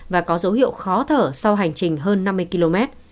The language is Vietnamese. và có dấu hiệu khó thở sau hành trình hơn năm mươi km